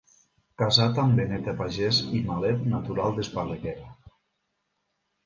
Casat amb Beneta Pagès i Malet natural d'Esparreguera.